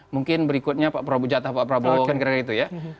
mungkin berikutnya pak prabowo jatah pak prabowo kan kira kira gitu ya